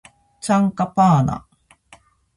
チャンカパーナ